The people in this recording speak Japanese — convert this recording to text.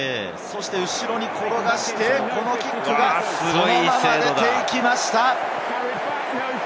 後ろに転がして、このキックがそのまま出ていきました。